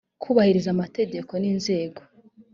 kubahiriza amategeko ningenzi